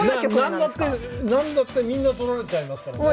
何だって何だってみんな取られちゃいますからねえ。